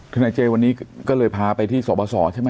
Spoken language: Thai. ทนายเจวันนี้ก็เลยพาไปที่สบสใช่ไหม